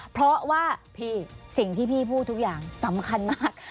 เพราะว่าพี่สิ่งที่พี่พูดทุกอย่างสำคัญมาก